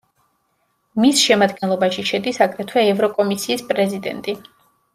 მის შემადგენლობაში შედის აგრეთვე ევროკომისიის პრეზიდენტი.